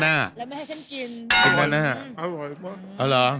เวลาดีเล่นหน่อยเล่นหน่อย